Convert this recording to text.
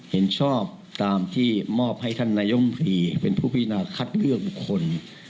เห็นชอบตามที่มอบให้ท่านนายมพรีเป็นผู้พินาคัดเลือกบุคคล